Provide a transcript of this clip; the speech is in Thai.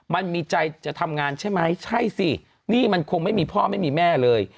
มันมีใจจะทำงานใช่ไหมใช่สินี่มันคงไม่มีพ่อไม่มีแม่เลย